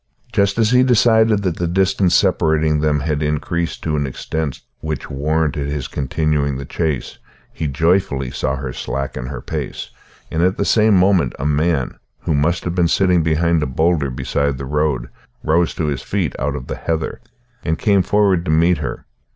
Just as he decided that the distance separating them had increased to an extent which warranted his continuing the chase, he joyfully saw her slacken her pace, and at the same moment a man, who must have been sitting behind a boulder beside the road, rose to his feet out of the heather, and came forward to meet her.